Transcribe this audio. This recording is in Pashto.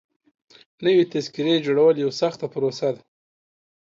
نوي تذکيري جوړول يوه سخته پروسه ده.